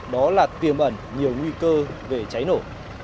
đó là tiềm ẩn nhiều nguy cơ về cháy nổ